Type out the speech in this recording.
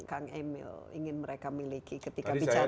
kang emil ingin mereka miliki ketika bicara